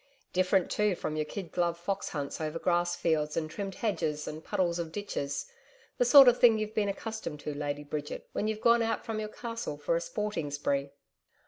Different, too, from your kid glove fox hunts over grass fields and trimmed hedges and puddles of ditches the sort of thing you've been accustomed to, Lady Bridget, when you've gone out from your castle for a sporting spree!'